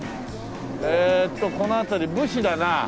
えーっとこの辺り武士だな。